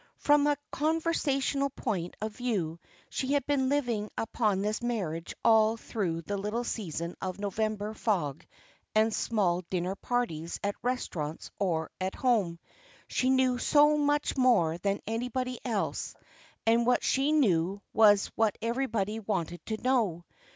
From a conversational point of view she had been living upon this marriage all through the little season of November fog and small dinner parties at restaurants or at home. She knew so much more than anybody else, and what she knew was what everybody wanted to know.